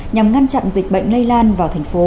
nhằm ngăn chặn dịch bệnh lây lan vào tp hcm